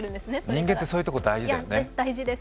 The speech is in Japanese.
人間ってそういうとこ大事ですよね。